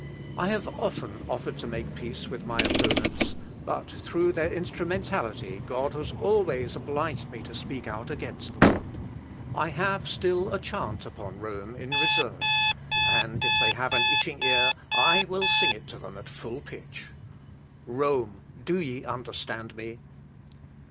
I have often offered to make peace with my opponents, but, through their instrumentality God has always obliged me to speak out against them. I have still a chant upon Rome in reserve, and if they have an itching ear, I will sing it to them at full pitch. Rome! do ye understand me?"...